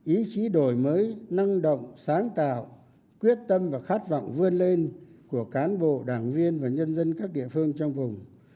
ý chí đổi mới năng động sáng tạo quyết tâm và khát vọng vươn lên của cán bộ đảng viên và nhân dân các địa phương trong vùng